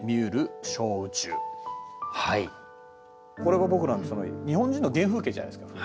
これが僕らの日本人の原風景じゃないですか。